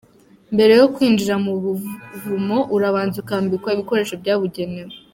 Mbere yo kwinjira mu buvumo urabanza ukambikwa ibikoresho byabugenewe.